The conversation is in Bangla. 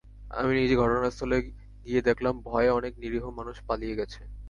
আমি নিজে ঘটনাস্থলে গিয়ে দেখলাম ভয়ে অনেক নিরীহ মানুষ পালিয়ে গেছে।